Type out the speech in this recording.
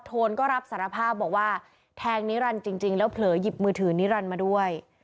โทนก็รับสารภาพบอกว่าแทงนิรันดิ์จริงแล้วเผลอหยิบมือถือนิรันดิ์มาด้วย